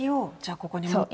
ここに持ってきて。